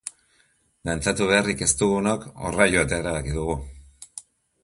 Dantzatu beharrik ez dugunok horra joatea erabaki dugu.